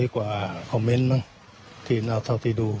๒๗๐๐กว่าคอมเมนต์บ้างทีมอัลทัลที่ดู